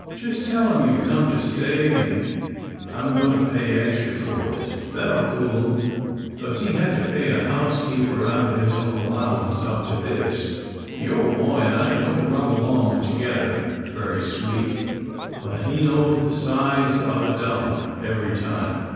Just tell him you've come to stay, and I'm going to pay extra for it. That'll cool him, 'cause he's had to pay a housekeeper out of his own allowance up to this. The old boy and I don't rub along together very sweet, but he knows the size of a dollar every time."